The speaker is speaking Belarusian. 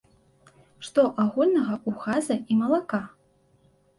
Што агульнага ў газа і малака?